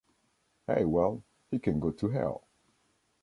Hey, well! He can go to hell!